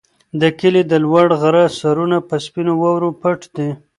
د کلي د لوړ غره سرونه په سپینو واورو پټ دي.